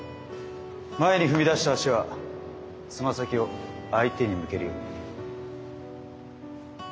前に踏み出した足は爪先を相手に向けるように。